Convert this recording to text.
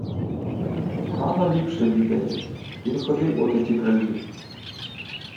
— Гано ліпше відає. Він ходив у тоті краї.